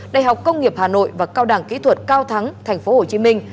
đại học công nghiệp hà nội và cao đẳng kỹ thuật cao thắng tp hcm